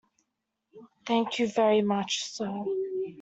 Thank you very much, sir.